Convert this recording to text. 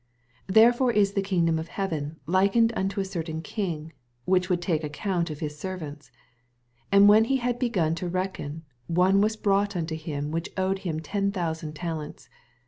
23 Therefore is the kingdom of heaven jukened unto a certain king, which would take account of his ser fantB. 24 And when he had begun to reckon, one was brought unto him, which owed him ten thousand tal ents.